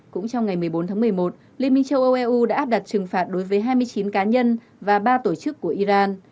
cũng trong ngày một mươi bốn tháng một mươi một liên minh châu âu eu đã áp đặt trừng phạt đối với hai mươi chín cá nhân và ba tổ chức của iran